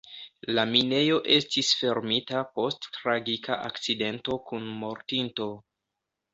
La minejo estis fermita post tragika akcidento kun mortinto.